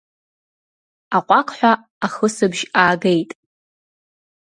Аҟәақҳәа ахысыбжь аагеит.